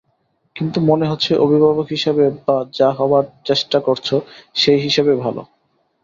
কিন্তু মনে হচ্ছে অভিভাবক হিসেবে, বা যা হবার চেষ্টা করছো সেই হিসেবে ভালো।